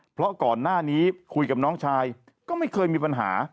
เพราะก่อนหน้านี้คุยกับน้องชายก็ไม่เคยมีปัญหา